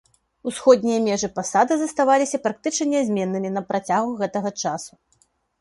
Усходнія межы пасада заставаліся практычна нязменнымі на працягу гэтага часу.